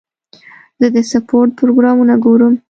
زه د سپورټ پروګرامونه ګورم.